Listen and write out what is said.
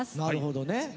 なるほどね。